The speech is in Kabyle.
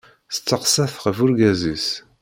Testeqsa-t ɣef urgaz-is.